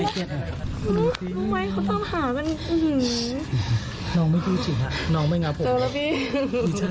ขอบคุณมากด้วยนะที่อนุญาต